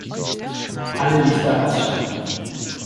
Alle Lichter ausschalten